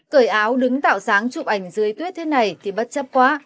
cởi áo đứng tạo dáng chụp ảnh dưới tuyết thế này thì bất chấp quá